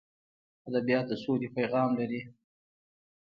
ادبیات د سولې پیغام لري.